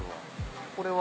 これは。